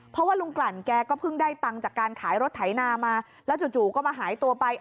เพราะว่าลุงกลั่นแกก็เพิ่งได้ตังค์จากการขายรถไถนามาแล้วจู่ก็มาหายตัวไป